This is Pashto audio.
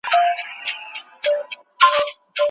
که د يو چا دوې ميرمني وي.